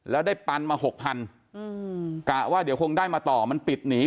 แล้วได้ปันมาหกพันกะว่าเดี๋ยวคงได้มาต่อมันปิดหนี